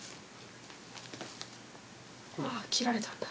わあ切られたんだ。